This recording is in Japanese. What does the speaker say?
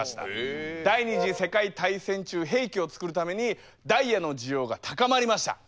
第二次世界大戦中兵器を作るためにダイヤの需要が高まりました。